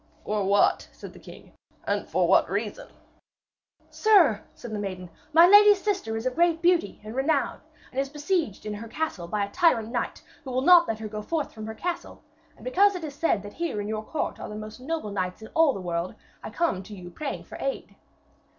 'For whom?' said the king, 'and for what reason?' 'Sir,' said the maiden, 'my lady sister is of great beauty and renown, and is besieged in her castle by a tyrant knight, who will not let her go forth from her castle; and because it is said that here in your court are the noblest knights in all the world, I come to you praying for aid.'